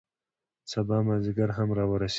سبا مازدیګر هم را ورسید.